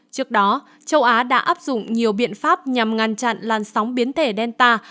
trước đó châu á đã áp dụng nhiều biện pháp nhằm ngăn chặn làn sóng biến thể delta